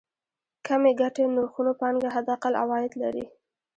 کمې ګټې نرخونو پانګه حداقل عواید لري.